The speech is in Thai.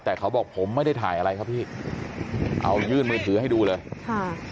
แต่เขาบอกผมไม่ได้ถ่ายอะไรครับพี่เอายื่นมือถือให้ดูเลยค่ะ